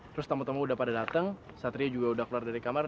terus tamu tamu udah pada datang satria juga udah keluar dari kamar